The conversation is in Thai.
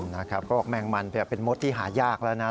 นะครับก็แม่งมันแบบเป็นมดที่หายากแล้วนะ